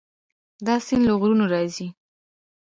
دا سیند له غرونو راځي.